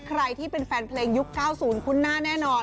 ใครที่เป็นแฟนเพลงยุค๙๐คุ้นหน้าแน่นอน